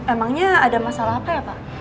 emangnya ada masalah apa ya pak